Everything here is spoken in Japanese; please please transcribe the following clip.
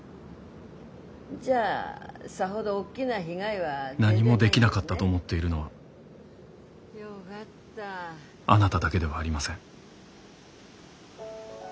じゃあさほど大きな被害は。何もできなかったと思っているのはあなただけではありません。